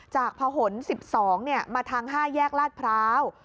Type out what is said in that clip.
พหน๑๒มาทาง๕แยกลาดพร้าว